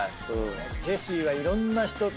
ジェシーはいろんな人と。